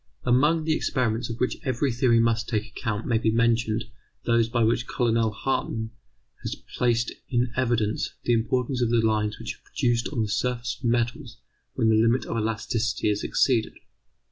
Among the experiments of which every theory must take account may be mentioned those by which Colonel Hartmann has placed in evidence the importance of the lines which are produced on the surface of metals when the limit of elasticity is exceeded.